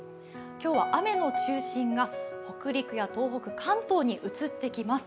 今日は雨の中心が北陸や東北関東に移ってきます。